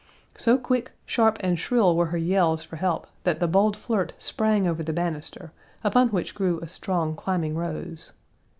So quick, sharp, and shrill were her yells for help that the bold flirt sprang over the banister, upon which grew a strong climbing rose.